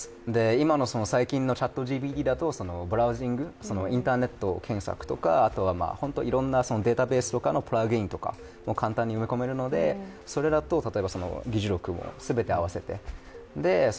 今の最近のＣｈａｔＧＰＴだとブラウジング、インターネット検索とかいろんなデータベースとかのプラグインとかも簡単に埋め込めるので例えば議事録も全てあわせて。